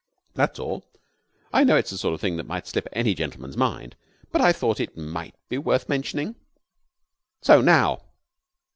That's all. I know it's the sort of thing that might slip any gentleman's mind, but I thought it might be worth mentioning. So now!"